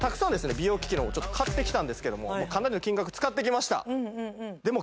美容機器の方買ってきたんですけどもかなりの金額使ってきました